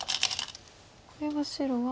これは白は。